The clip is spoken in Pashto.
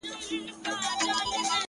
• په دې فکر کي خورا په زړه افګار یو,